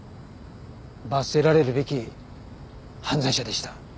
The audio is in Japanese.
罰せられるべき犯罪者でした。